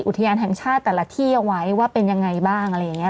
อุทยานแห่งชาติแต่ละที่เอาไว้ว่าเป็นยังไงบ้างอะไรอย่างนี้